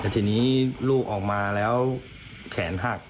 แต่ทีนี้ลูกออกมาแล้วแขนหัก